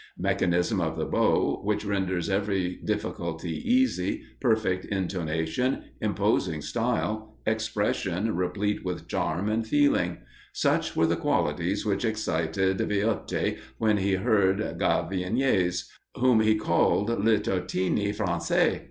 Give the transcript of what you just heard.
Mechanism of the bow, which renders every difficulty easy, perfect intonation, imposing style, expression replete with charm and feeling; such were the qualities which excited Viotti when he heard Gaviniès, whom he called "le Tartini français."